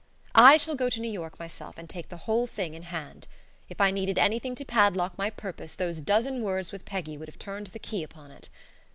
I shall go to New York myself and take the whole thing in hand. If I needed anything to padlock my purpose those dozen words with Peggy would have turned the key upon it.